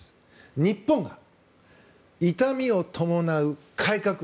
日本が痛みを伴う改革